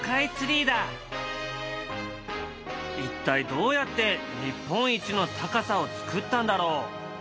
一体どうやって日本一の高さを造ったんだろう？